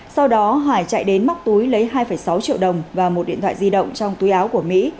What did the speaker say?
sau đó hải chạy đến móc túi lấy hai sáu triệu đồng và một điện thoại di động trong túi áo của mỹ